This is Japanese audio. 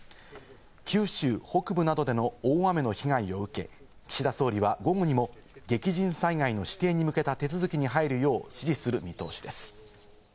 九州北部などでの大雨の被害を受け、岸田総理は午後にも激甚災害の指定に向けた手続きに入るよう指示する見通しです。